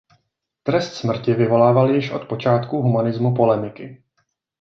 Trest smrti vyvolával již od počátků humanismu polemiky.